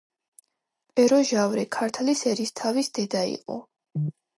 პეროჟავრი ქართლის ერისთავის დედა იყო.